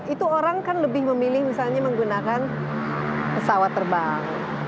itu orang kan lebih memilih misalnya menggunakan pesawat terbang